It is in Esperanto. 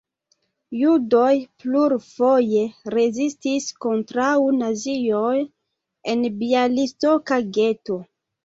Judoj plurfoje rezistis kontraŭ nazioj en bjalistoka geto.